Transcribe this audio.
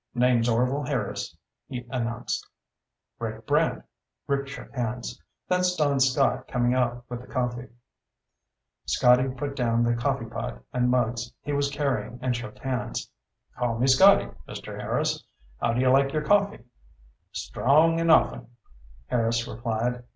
"Name's Orvil Harris," he announced. "Rick Brant." Rick shook hands. "That's Don Scott coming out with the coffee." Scotty put down the coffeepot and mugs he was carrying and shook hands. "Call me Scotty, Mr. Harris. How do you like your coffee?" "Strong and often," Harris replied.